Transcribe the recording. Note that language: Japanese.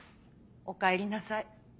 おかえりなさい。